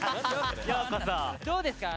どうですか？